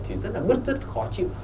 thì rất là bứt dứt khó chịu